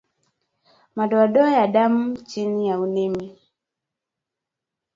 Madoadoa ya damu chini ya ulimi